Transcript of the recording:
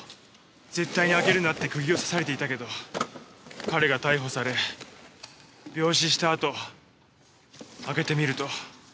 絶対に開けるなって釘をさされていたけど彼が逮捕され病死したあと開けてみると。